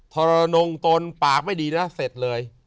ทรนงตนปากไม่ดีนะเสร็จเลย